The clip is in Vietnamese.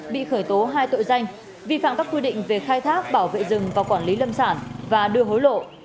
bị khởi tố hai tội danh vi phạm các quy định về khai thác bảo vệ rừng và quản lý lâm sản và đưa hối lộ